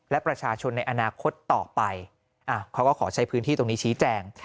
และประชาชนในอนาคตต่อไปเขาก็ขอใช้พื้นที่ตรงนี้ชี้แจง